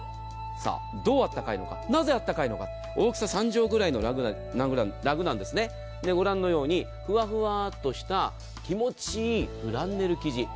どう温かいのか、なぜ温かいのか大きさ３帖ぐらいのラグなんですがご覧のように、ふわふわっとした気持ちいいフランネル生地。